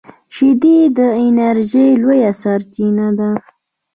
شیدې د انرژۍ لویه سرچینه ده